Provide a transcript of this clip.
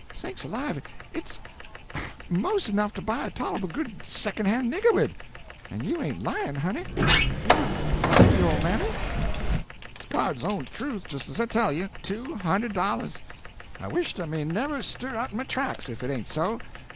Sakes alive, it's 'mos' enough to buy a tol'able good second hand nigger wid. En you ain't lyin', honey? you wouldn't lie to yo' ole mammy?" "It's God's own truth, jes as I tell you two hund'd dollahs I wisht I may never stir outen my tracks if it ain't so.